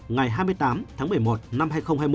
ngày hai mươi tám tháng một mươi một năm hai nghìn hai mươi